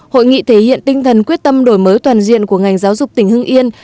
hội nghị thể hiện tinh thần quyết tâm đổi mới toàn diện của ngành giáo dục tỉnh hưng yên